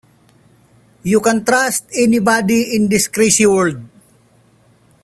You can't trust anybody in this crazy world.